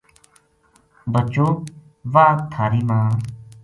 بچوں ! واہ تھاری ماں